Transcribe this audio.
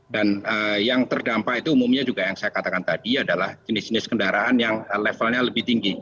dan yang terdampak itu umumnya juga yang saya katakan tadi adalah jenis jenis kendaraan yang levelnya lebih tinggi